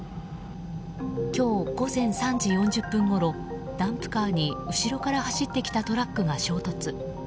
今日午前３時４０分ごろダンプカーに後ろから走ってきたトラックが衝突。